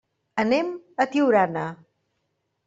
Anem a Tiurana.